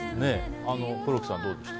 黒木さん、どうでしたか？